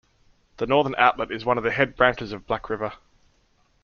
The northern outlet is one of the head branches of Black River.